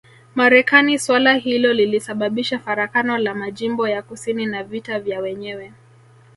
Marekani suala hilo lilisababisha farakano la majimbo ya kusini na vita vya wenyewe